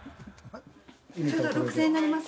ちょうど６０００円になります。